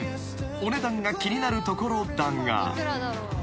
［お値段が気になるところだが］